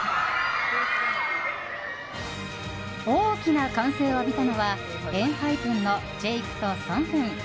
大きな歓声を浴びたのはＥＮＨＹＰＥＮのジェイクとソンフン。